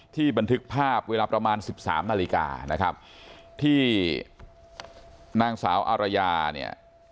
บันทึกภาพเวลาประมาณสิบสามนาฬิกานะครับที่นางสาวอารยาเนี่ย